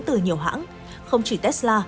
từ nhiều hãng không chỉ tesla